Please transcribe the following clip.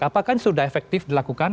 apakah sudah efektif dilakukan